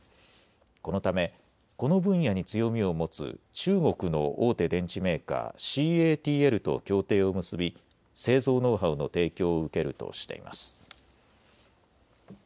このためこの分野に強みを持つ中国の大手電池メーカー、ＣＡＴＬと協定を結び製造ノウハウの提供を受けるとしています。